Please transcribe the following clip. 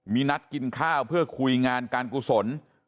มีนัดกินข้าวเพื่อคุยงานการกุศล